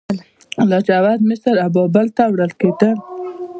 لاجورد مصر او بابل ته وړل کیدل